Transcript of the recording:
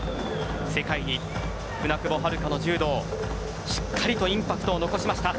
世界に舟久保遥香の柔道しっかりとインパクトを残しました。